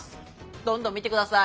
どんどん見て下さい。